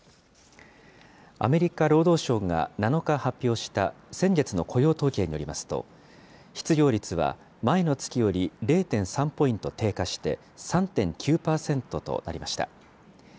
アメリカ労働省が７日発表した先月の雇用統計によりますと、失業率は前の月より０．３ポイント低下して３．９％となりました。